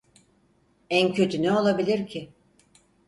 En kötü ne olabilir ki?